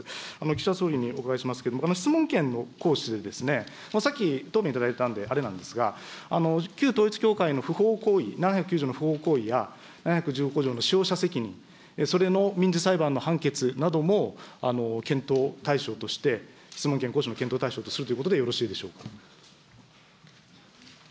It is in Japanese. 岸田総理にお伺いしますけれども、質問権の行使で、さっき答弁いただいたんであれなんですが、旧統一教会の不法行為、７９０条の不法行為や、７１５条の使用者責任、それの民事裁判の判決なども、検討対象として、質問権の行使の検討対象とすることでよろしいでしょうか。